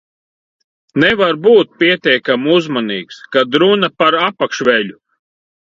Nevar būt pietiekami uzmanīgs, kad runa par apakšveļu.